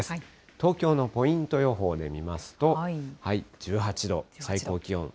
東京のポイント予報で見ますと、１８度、最高気温。